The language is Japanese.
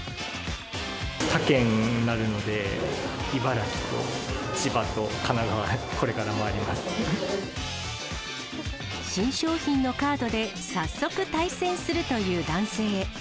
他県になるので、茨城と千葉新商品のカードで早速対戦するという男性。